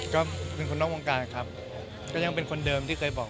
ก็คือแสดงว่าสาวตัวจริงของเราไม่ใช่จริง